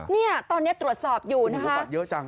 นี่ตอนนี้ตรวจสอบอยู่นะคะ